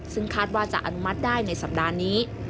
ซึ่งคาดว่าจะอนุมัติได้ในสัปดาห์นี้